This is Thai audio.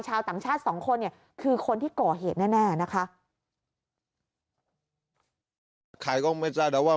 ชาวต่างชาติ๒คนคือคนที่เกาะเหตุแน่นะครับ